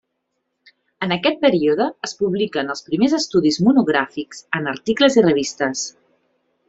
En aquest període es publiquen els primers estudis monogràfics en articles i revistes.